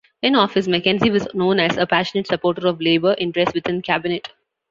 In office, Mackenzie was known as a passionate supporter of labour interests within cabinet.